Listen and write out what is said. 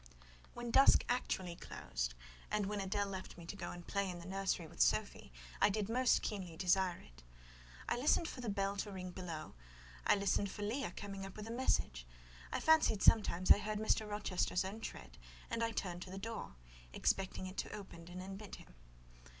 When dusk actually closed, and when Adèle left me to go and play in the nursery with Sophie, I did most keenly desire it. I listened for the bell to ring below; I listened for Leah coming up with a message; I fancied sometimes I heard Mr. Rochester's own tread, and I turned to the door, expecting it to open and admit him.